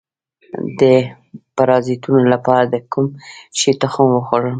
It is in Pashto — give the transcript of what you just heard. د پرازیتونو لپاره د کوم شي تخم وخورم؟